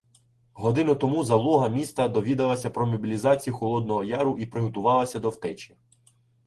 Годину тому залога міста довідалася про мобілізацію Холодного Яру і приготувалася до втечі.